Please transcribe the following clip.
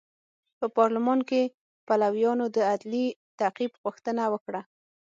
په پارلمان کې پلویانو د عدلي تعقیب غوښتنه وکړه.